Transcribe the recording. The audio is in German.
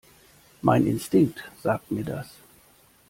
Mein Instinkt sagt mir das.